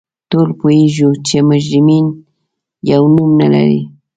ټول پوهیږو چې مجرمین یو نوم نه لري